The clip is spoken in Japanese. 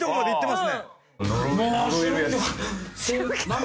何？